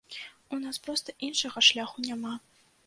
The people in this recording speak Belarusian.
У нас проста іншага шляху няма.